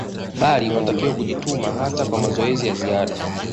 bali unatakiwa kujituma hata kwa mazoezi ya ziada